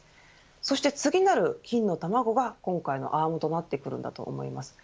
そして次なる金の卵が今回のアームとなってくるんだと思います。